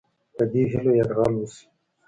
په دې هیلو یرغل وشو.